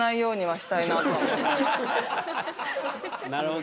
なるほど。